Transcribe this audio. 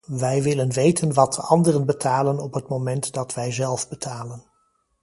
Wij willen weten wat de anderen betalen op het moment dat wij zelf betalen.